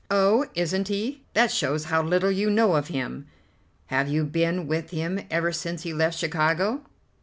"Oh, isn't he? That shows how little you know of him. Have you been with him ever since he left Chicago?"